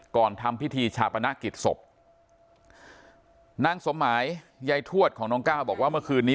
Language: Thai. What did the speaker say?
ทำพิธีชาปนกิจศพนางสมหมายยายทวดของน้องก้าวบอกว่าเมื่อคืนนี้